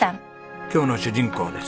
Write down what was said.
今日の主人公です。